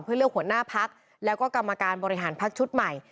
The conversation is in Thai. เพื่อเลือกหัวหน้าพักแล้วก็กรรมการบริหารพักชุดใหม่